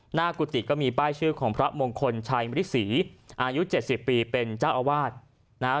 กุฏิก็มีป้ายชื่อของพระมงคลชัยมริษีอายุ๗๐ปีเป็นเจ้าอาวาสนะฮะ